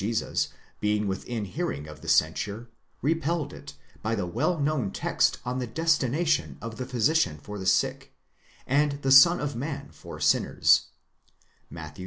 Jesus, being within hearing of the censure, repelled it by the well known text on the destination of the physician for the sick, and the Son of Man for sinners (Matt.